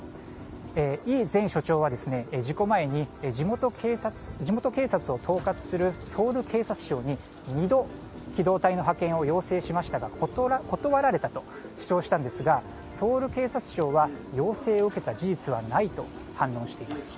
イ前署長は、事故前に地元警察を統括するソウル警察庁に２度機動隊の派遣を要請しましたが断られたと主張したんですがソウル警察庁は要請を受けた事実はないと反論しています。